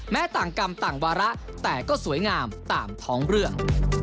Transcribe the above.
ต่างกรรมต่างวาระแต่ก็สวยงามตามท้องเรื่อง